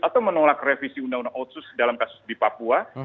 atau menolak revisi undang undang otsus dalam kasus di papua